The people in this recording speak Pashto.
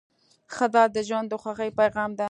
ښځه د ژوند د خوښۍ پېغام ده.